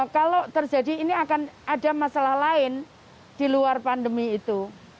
kalau terjadi ini akan ada masalah lain di luar pandemi itu